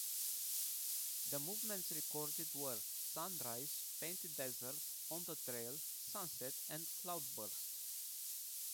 The movements recorded were "Sunrise", "Painted Desert", "On the Trail", "Sunset", and "Cloudburst".